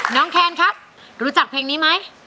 แคนครับรู้จักเพลงนี้ไหม